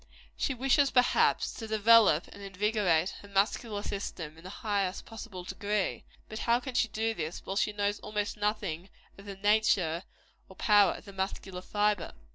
She wishes, perhaps, to develope and invigorate her muscular system in the highest possible degree; but how can she do this, while she knows almost nothing of the nature or power of the muscular fibre?